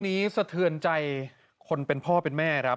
นี่สะเทือนใจคนเป็นพ่อเป็นแม่อิทธิปรับ